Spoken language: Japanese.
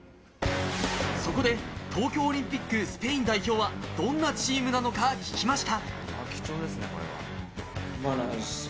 そこで東京オリンピックのスペイン代表はどんなチームなのか聞きました。